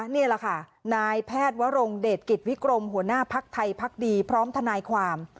นี่แหละค่ะนายแพทย์วรงเดชกิจวิกรมหัวหน้าพักไทยพักดีพร้อมทนายความ